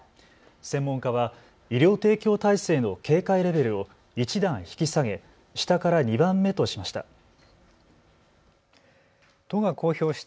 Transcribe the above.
専門家は医療提供体制の警戒レベルを１段引き下げ下から２番目としました。